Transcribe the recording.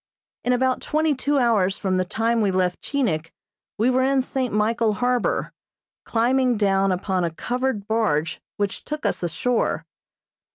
In about twenty two hours from the time we left Chinik we were in St. Michael harbor, climbing down upon a covered barge which took us ashore.